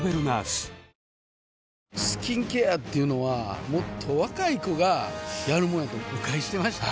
スキンケアっていうのはもっと若い子がやるもんやと誤解してました